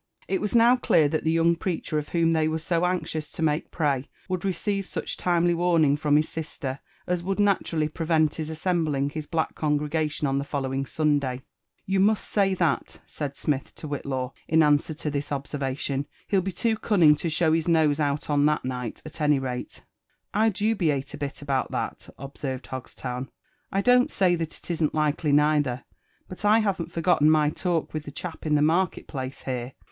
It was now clear th^t the young preacher of whom they were so anxious to make prey would receive such timely warning from his sister, as would naturally prevent his assembling his black congrega tion on the following Sunday. You may say that," said Smith to Whillaw; in answer to this observation :*' he* 11 be too cunning to show his nose out on that night, at any rate." .! dubiate a bit about that," observed Hogstown; I don't say that it isn't likely neither ; but I haven't forgotten my talk with the chap in the market place here.